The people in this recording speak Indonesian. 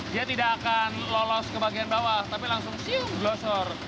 dia tidak akan lolos ke bagian bawah tapi langsung siup glosor